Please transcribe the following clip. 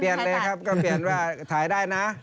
เลยครับก็เปลี่ยนว่าถ่ายได้นะ